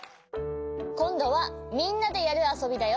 こんどはみんなでやるあそびだよ！